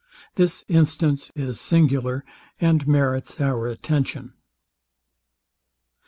This instance is singular, and merits our attention.